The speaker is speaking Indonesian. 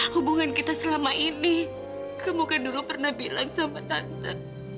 hubungan kita selama ini kamu kan dulu pernah bilang sama tante